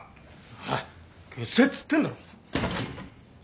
消せっつってんだろ。